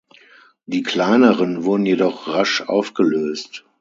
Die kleineren wurden jedoch rasch aufgelöst.